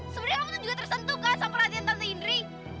sebenarnya kamu tuh juga tersentuh kan sama perhatian tante indri